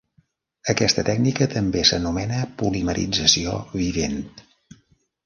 Aquesta tècnica també s'anomena polimerització vivent.